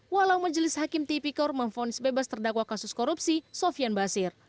walau majelis hakim tipikor memfonis bebas terdakwa kasus korupsi sofian basir